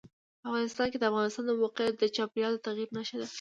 افغانستان کې د افغانستان د موقعیت د چاپېریال د تغیر نښه ده.